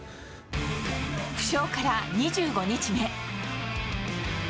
負傷から２５日目。